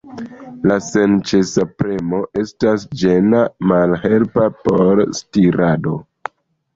La senĉesa premo estas ĝena, malhelpa por stirado.